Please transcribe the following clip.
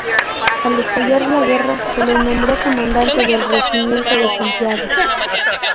Al estallar la guerra, se le nombró comandante del regimiento de Santiago.